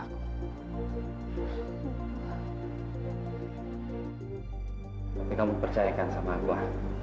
tapi kamu percayakan sama allah